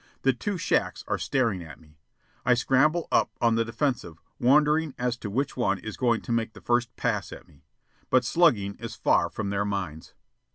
The two shacks are staring at me. I scramble up on the defensive, wondering as to which one is going to make the first "pass" at me. But slugging is far from their minds.